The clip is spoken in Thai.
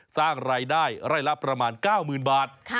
สร้างรายได้ไร่ละประมาณ๙๐๐๐บาท